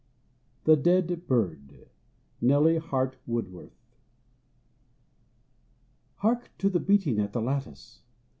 THE DEAD BIRD. NELLY HART WOODWORTH. Hark to the beating at the lattice!